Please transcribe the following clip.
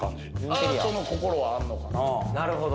アートの心はあんのかな。